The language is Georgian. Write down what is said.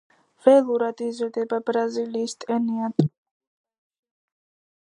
ველურად იზრდება ბრაზილიის ტენიან ტროპიკულ ტყეებში.